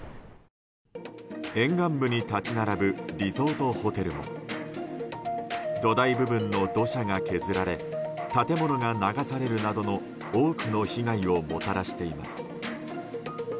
沿岸部に立ち並ぶリゾートホテルも土台部分の土砂が削られ建物が流されるなどの多くの被害をもたらしています。